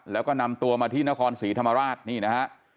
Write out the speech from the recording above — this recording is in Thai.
แล้วก็นำตัวมาที่นครศรีธรรมราชนี่นะฮะ